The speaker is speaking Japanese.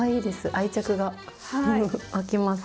愛着が湧きます。